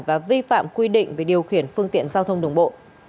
và vi phạm quy định về điều khiển phương tiện giao thông đường bộ